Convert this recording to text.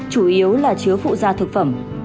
chủ yếu là chứa phụ da thực phẩm